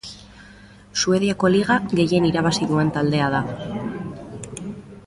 Suediako liga gehien irabazi duen taldea da.